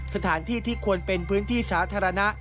สถานที่ที่ควรเป็นพื้นที่สาธารณะ